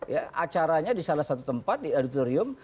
ya acaranya di salah satu tempat di auditorium